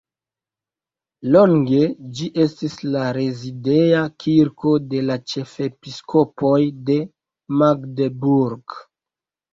Longe ĝi estis la rezideja kirko de la ĉefepiskopoj de Magdeburg.